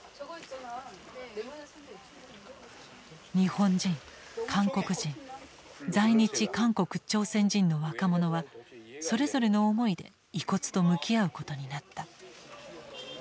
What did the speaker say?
日本人韓国人在日韓国・朝鮮人の若者はそれぞれの思いで遺骨と向き合うことになった。